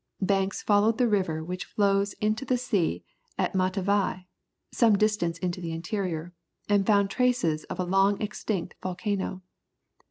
Banks followed the river which flows into the sea at Matavai, some distance into the interior, and found traces of a long extinct volcano.